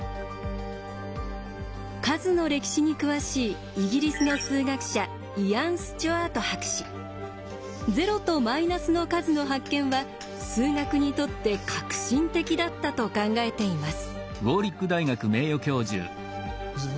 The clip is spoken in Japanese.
数の歴史に詳しいイギリスの数学者０とマイナスの数の発見は数学にとって革新的だったと考えています。